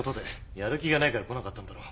やる気がないから来なかったんだろ。